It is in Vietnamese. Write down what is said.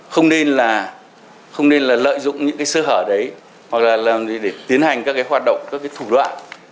không nên lợi dụng những sơ hở đấy hoặc tiến hành các hoạt động các thủ đoạn